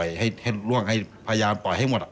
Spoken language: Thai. ให้ล่วงให้พยายามปล่อยให้หมด